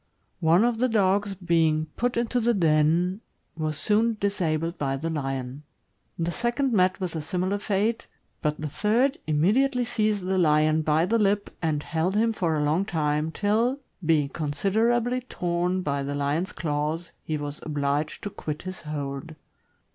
One of the dogs being put into the den, was soon disabled by the lion; the second met with a similar fate, but the third immedi ately seized the lion by the lip and held him for a long time, till, being considerably torn by the lion's claws, he was obliged to quit his hold.